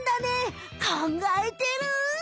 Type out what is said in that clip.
かんがえてる。